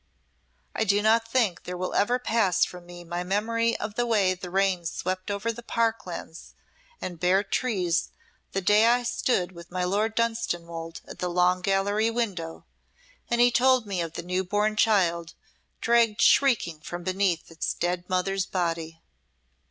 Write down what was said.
I do not think there will ever pass from me my memory of the way the rain swept over the park lands and bare trees the day I stood with my Lord Dunstanwolde at the Long Gallery window, and he told me of the new born child dragged shrieking from beneath its dead mother's body."